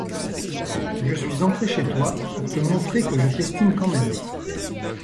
Je suis entré chez toi, pour te montrer que je t’estime quand même.